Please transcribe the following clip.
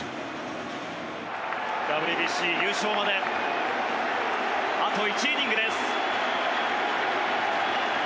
ＷＢＣ優勝まであと１イニングです。